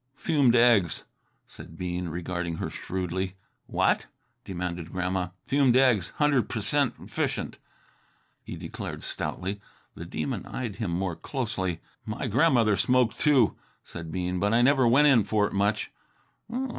"Fumed eggs," said Bean, regarding her shrewdly. "What?" demanded Grandma. "Fumed eggs, hundred p'cent efficient," he declared stoutly. The Demon eyed him more closely. "My grandmother smoked, too," said Bean, "but I never went in for it much."